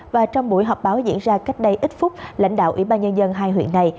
và trong buổi họp báo diễn ra cách đây ít phút lãnh đạo ủy ban nhân dân hai huyện này